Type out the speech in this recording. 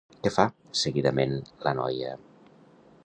Què fa, seguidament, la noia?